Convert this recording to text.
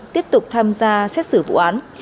tiếp tục tham gia xét xử vụ án